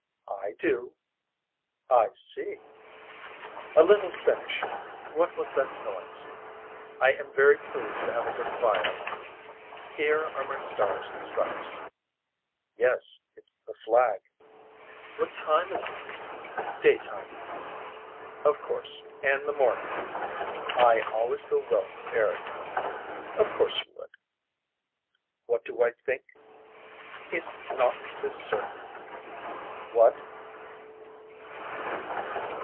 I do. I see. A little finish. What was that noise. I am very pleased to have a good fire. Here are my stars and stripes. Yes it's the flag. What time is it. Day time. Of course and the morning. I always go well prepared. Of course you would. What do I think. Is not this certain. What.